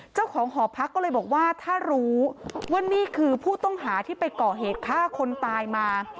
เจ้าของหอพักก็เลยบอกว่าถ้ารู้ว่านี่คือผู้ต้องหาที่ไปก่อเหตุฆ่าคนตายมา